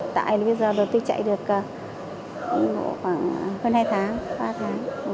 tại bây giờ tôi chạy được khoảng hơn hai tháng ba tháng